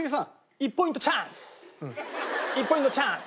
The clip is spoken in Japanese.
１ポイントチャンス！